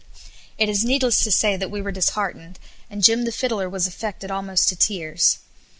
It is needless to say that we were disheartened, and Jim the Fiddler was affected almost to tears.